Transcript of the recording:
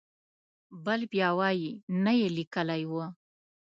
بل بیا وایي نه یې لیکلی و.